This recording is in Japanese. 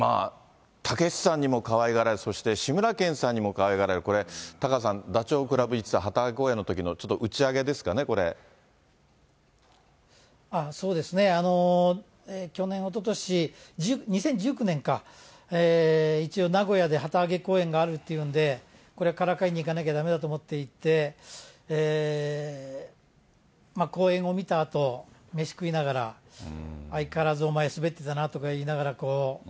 たけしさんにもかわいがられ、そして志村けんさんにもかわいがられ、これ、タカさん、ダチョウ倶楽部一座旗揚げ公演のときのちょっと打ち上げですかね、そうですね、去年、おととし、２０１９年か、一応、名古屋で旗揚げ公演があるっていうんで、これは、からかいに行かなきゃだめだと思っていって、公演を見たあと、飯食いながら、相変わらずお前、滑ってたなとか言いながら、こう。